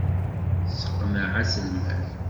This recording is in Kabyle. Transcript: Tesseqneɛ aselmad.